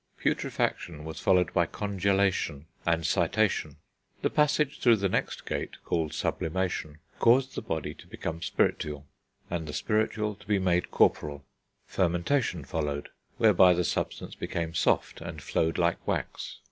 Putrefaction was followed by Congelation and Citation. The passage through the next gate, called Sublimation, caused the body to become spiritual, and the spiritual to be made corporal. Fermentation followed, whereby the substance became soft and flowed like wax.